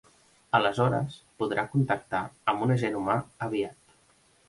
Aleshores podrà contactar amb un agent humà aviat.